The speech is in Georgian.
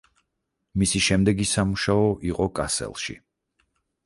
მისი შემდეგი სამუშაო იყო კასელში.